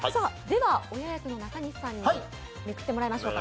では、親役の中西さんにカードをめくってもらいましょう。